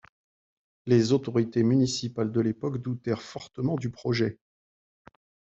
Les autorités municipales de l'époque doutèrent fortement du projet.